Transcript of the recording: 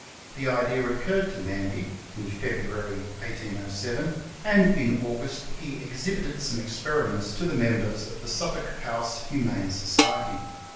The ides occurred to Manby in February 1807, and in August he exhibited some experiments to the members of the Sufiblk House Humane Society.